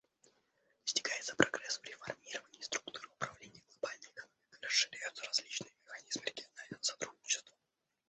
Достигается прогресс в реформировании структуры управления глобальной экономикой, расширяются различные механизмы регионального сотрудничества.